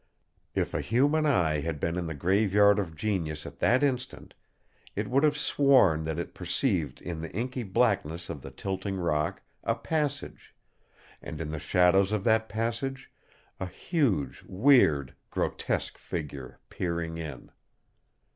If a human eye had been in the Graveyard of Genius at that instant it would have sworn that it perceived in the inky blackness of the tilting rock a passage, and in the shadows of that passage a huge, weird, grotesque figure peering in.